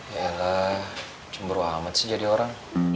yalah cemburu amat sih jadi orang